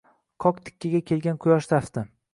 qoq tikkaga kelgan quyosh tafti.